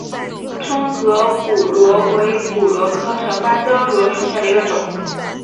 窗格骨螺为骨螺科长芭蕉螺属下的一个种。